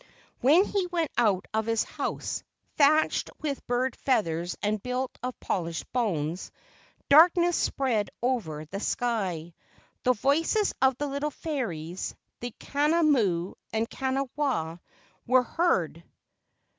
When he went out of his house, thatched with bird feathers and built of polished bones, dark¬ ness spread over the sky. The voices of the little fairies, the Kana mu and Kana wa were heard.